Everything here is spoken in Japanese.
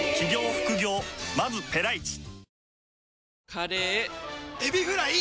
カレーエビフライ！